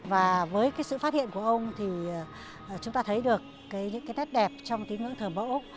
và với sự phát hiện của ông thì chúng ta thấy được những nét đẹp trong tiến ngưỡng thờ mẫu